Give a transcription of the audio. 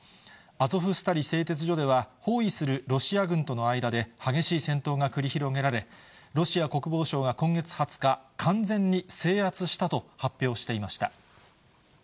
アゾフスタリ製鉄所では、包囲するロシア軍との間で激しい戦闘が繰り広げられ、ロシア国防省が今月２０日、完全に制圧したと発表していました。